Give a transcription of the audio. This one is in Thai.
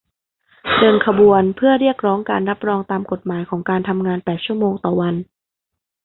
เดินขบวนเพื่อเรียกร้องการรับรองตามกฎหมายของการทำงานแปดชั่วโมงต่อวัน